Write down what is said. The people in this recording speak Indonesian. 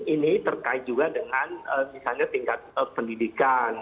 ini terkait juga dengan misalnya tingkat pendidikan